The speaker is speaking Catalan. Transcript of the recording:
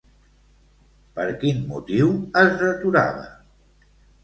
Per quin motiu es deturava?